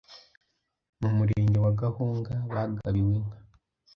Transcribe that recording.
mu murenge wa Gahunga bagabiwe inka.